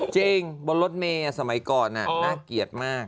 จริงบนรถเมย์สมัยก่อนน่าเกลียดมาก